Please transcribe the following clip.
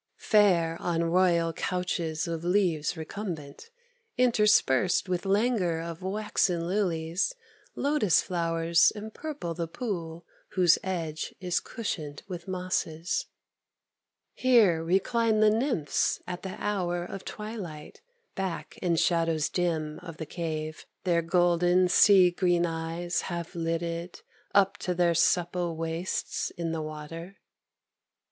Fair on royal couches of leaves recumbent, Interspersed with languor of waxen lilies, Lotus flowers empurple the pool whose edge is Cushioned with mosses; Here recline the Nymphs at the hour of twilight, Back in shadows dim of the cave, their golden Sea green eyes half lidded, up to their supple Waists in the water.